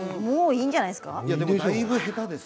もういいんじゃないですか？